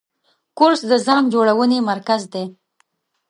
کورس د ځان جوړونې مرکز دی.